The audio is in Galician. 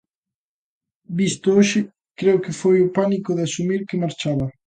"Visto hoxe", creo que foi o pánico de asumir que marchaba.